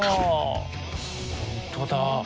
本当だ。